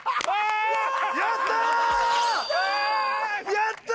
やったー！